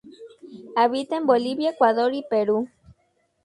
Habita en Bolivia, Ecuador y Perú.